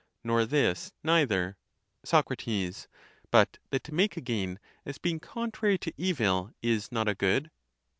Nor this neither. Soc. But that to make a gain, as being contrary to evil, is not a good